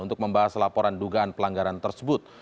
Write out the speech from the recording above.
untuk membahas laporan dugaan pelanggaran tersebut